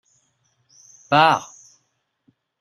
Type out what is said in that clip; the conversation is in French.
Part !